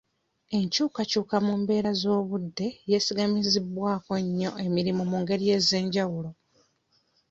Enkyukakyuka mu mbeera z'obudde yeesigamizibwako nnyo emirimu mu ngeri ez'enjawulo.